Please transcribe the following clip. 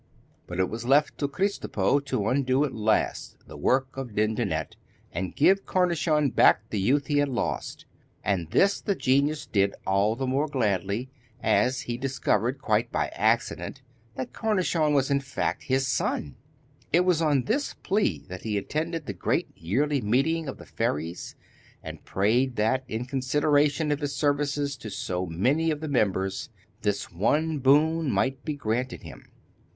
But it was left to Kristopo to undo at last the work of Dindonette, and give Cornichon back the youth he had lost, and this the genius did all the more gladly, as he discovered, quite by accident, that Cornichon was in fact his son. It was on this plea that he attended the great yearly meeting of the fairies, and prayed that, in consideration of his services to so many of the members, this one boon might be granted him.